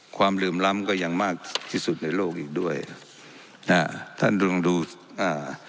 เหลื่อมล้ำก็ยังมากที่สุดในโลกอีกด้วยนะฮะท่านลองดูอ่า